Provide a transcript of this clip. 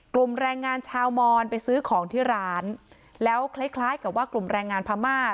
แรงงานชาวมอนไปซื้อของที่ร้านแล้วคล้ายคล้ายกับว่ากลุ่มแรงงานพม่า